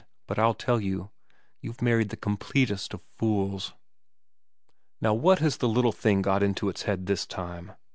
' But I'll tell you. You've married the completest of fools.' 'Now what has the little thing got into its head this time